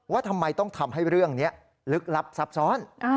ว่าทำไมต้องทำให้เรื่องนี้ลึกลับซับซ้อน